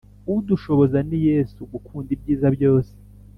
udushoboza ni yesu gukunda ibyiza byose.